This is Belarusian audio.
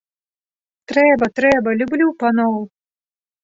Трэба, трэба, люблю паноў!